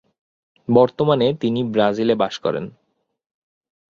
বর্তমানে তিনি ব্রাজিল এ বাস করেন।